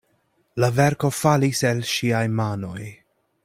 La verko falis el ŝiaj manoj.